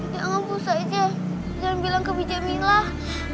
kita harus segera bicara sama pak samp ciel sama ibu jamilah